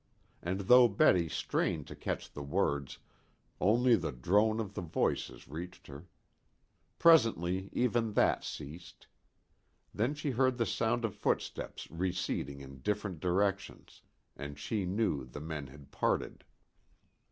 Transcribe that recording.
And though Betty strained to catch the words, only the drone of the voices reached her. Presently even that ceased. Then she heard the sound of footsteps receding in different directions, and she knew the men had parted.